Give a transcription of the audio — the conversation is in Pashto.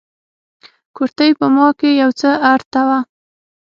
کورتۍ په ما کښې يو څه ارته وه.